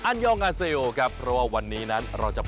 เอาล่ะเดินทางมาถึงในช่วงไฮไลท์ของตลอดกินในวันนี้แล้วนะครับ